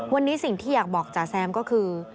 วันนี้สิ่งที่อยากบอกจ๋าแซมก็คือ